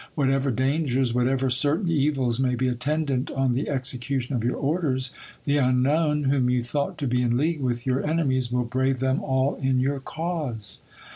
Whatever dangers, whatever certain evils may be attendant on the execution of your orders, the unknown, whom you thought to be in league with your enemies, will brave them all in your cause.